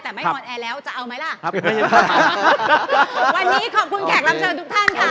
ถ้าบอกว่าคุณแหม่นสุริภาจะเสียใจ